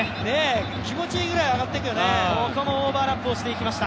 気持ちいいぐらい上がっていくよね。